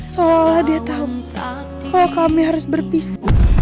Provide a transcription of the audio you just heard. seolah olah dia tahu manfaat kalau kami harus berpisah